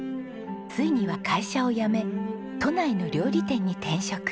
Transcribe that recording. ついには会社を辞め都内の料理店に転職。